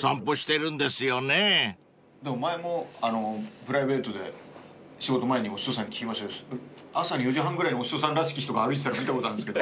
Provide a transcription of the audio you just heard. でも前もあのうプライベートで仕事前にお師匠さんに聞きましたけど朝４時半ぐらいにお師匠さんらしき人が歩いてたの見たことあるんですけど。